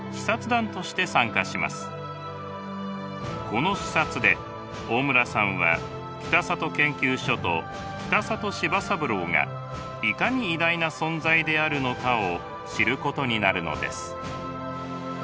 この視察で大村さんは北里研究所と北里柴三郎がいかに偉大な存在であるのかを知ることになるのです。